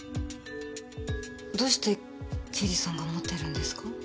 どうして刑事さんが持ってるんですか？